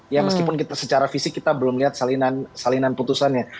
ya meskipun kita secara fisik kita belum lihat salinan putusannya